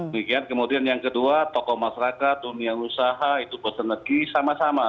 demikian kemudian yang kedua tokoh masyarakat dunia usaha itu bos energi sangat banyak